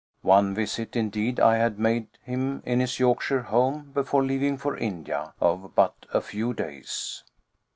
One visit, indeed, I had made him in his Yorkshire home, before leaving for India, of but a few days.